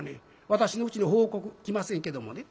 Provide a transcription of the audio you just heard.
私のうちに報告来ませんけどもね。